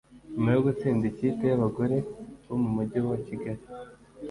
nyuma yo gutsinda ikipe y’abagore bo mu mujyi wa kigali